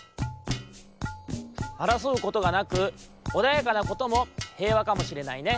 あらそうことがなくおだやかなことも平和かもしれないね。